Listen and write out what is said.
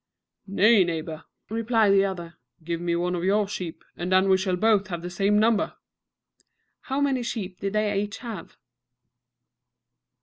"Nay, neighbor," replied the other, "give me one of your sheep, and then we shall both have the same number." How many sheep did each have?